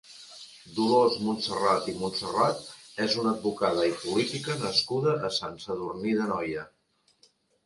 Dolors Montserrat i Montserrat és una advocada i política nascuda a Sant Sadurní d'Anoia.